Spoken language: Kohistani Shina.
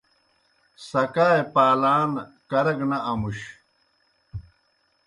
سکائے پالان کرہ گہ نہ امُش۔